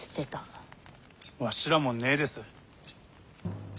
わしらもねえです。